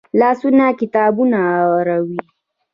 لاسونه کتابونه اړوي